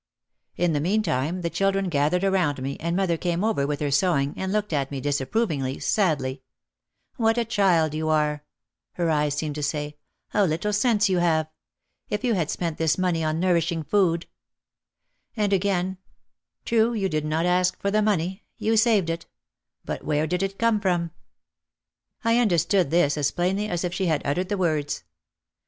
In the meantime the children gathered around me and mother came over with her sewing and looked at me disapprovingly, sadly, "What a child you are," her eyes seemed to say. "How little sense you have. If you had spent this money on nourishing food " And again, "True, you did not ask for the money, you saved it. But where did it come from?" I understood this as plainly as if she had uttered the words.